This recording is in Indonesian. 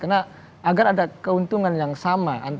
karena agar ada keuntungan yang sama antara kader gerita dan pks